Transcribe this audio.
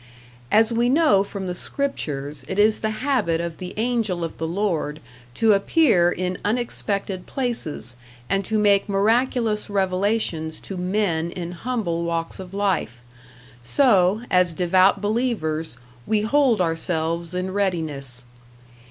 As we know from the scriptures, it is the habit of the Angel of the Lord to appear in unexpected places and to make miraculous revelations to men in humble walks of life; so, as devout believers, we hold ourselves in readiness.